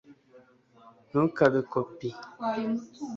ntukabe kopi